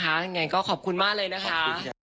ยังไงก็ขอบคุณมากเลยนะคะ